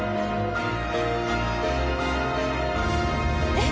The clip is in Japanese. えっ。